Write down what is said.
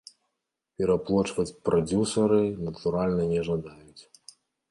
Пераплочваць прадзюсары, натуральна, не жадаюць.